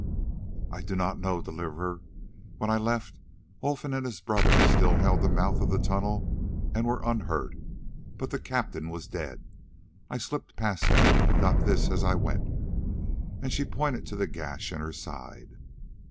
"I know not, Deliverer; when I left, Olfan and his brother still held the mouth of the tunnel and were unhurt, but the captain was dead. I slipped past them and got this as I went," and she pointed to the gash in her side.